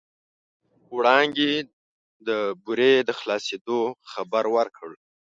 وړانګې د بورې د خلاصېدو خبر ورکړ.